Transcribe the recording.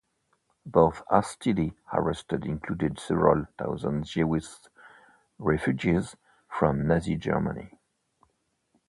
Those hastily arrested included several thousand Jewish refugees from Nazi Germany.